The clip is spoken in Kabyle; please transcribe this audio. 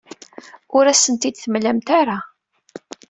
Ur asent-t-id-temlamt ara.